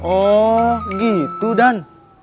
oh gitu dan